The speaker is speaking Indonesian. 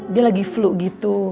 dia lagi flu gitu